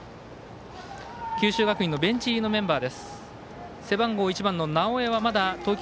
九州学院のベンチ入りのメンバー。